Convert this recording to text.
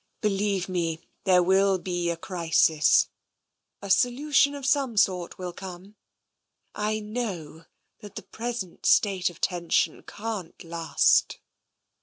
Believe me, there will be a crisis — a solution of some sort will come. I knozv that the present state of tension can't last."